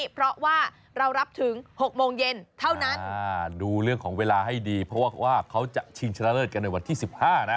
เพราะว่าเรารับถึง๖โมงเย็นเท่านั้นดูเรื่องของเวลาให้ดีเพราะว่าเขาจะชิงชนะเลิศกันในวันที่สิบห้านะ